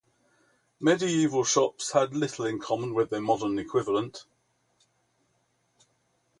Medieval shops had little in common with their modern equivalent.